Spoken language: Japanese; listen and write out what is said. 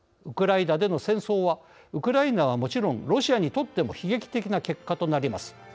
ウクライナでの戦争はウクライナはもちろんロシアにとっても悲劇的な結果となります。